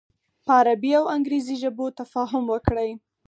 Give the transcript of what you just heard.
په عربي او انګریزي ژبو تفاهم وکړي.